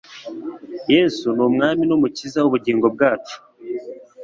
yesu numwami numukiza wubugingo bwacu